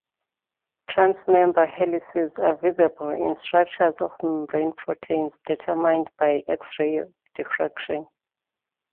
Transmembrane helices are visible in structures of membrane proteins determined by X-ray diffraction.